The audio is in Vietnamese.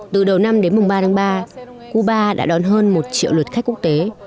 từ đầu năm đến mùng ba tháng ba cuba đã đón hơn một triệu lượt khách quốc tế